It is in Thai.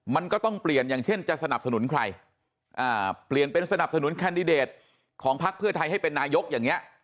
มันก็ต้องเปลี่ยนอย่างเช่นจะสนับสนุนใครเปลี่ยนเป็นสนับสนุนแคนดิเดตของพักเพื่อไทยให้เป็นนายกอย่างนี้